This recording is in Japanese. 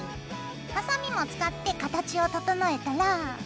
はさみも使って形を整えたら。